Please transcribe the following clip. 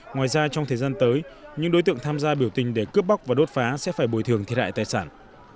ngoài ra trong thời gian tới những đối tượng tham gia biểu tình để cướp bóc và đốt phá sẽ phải bồi thường thi đại tài sản